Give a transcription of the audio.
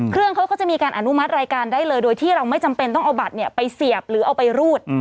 เครื่องเขาก็จะมีการอนุมัติรายการได้เลยโดยที่เราไม่จำเป็นต้องเอาบัตรไปเสียบหรือเอาไปรูด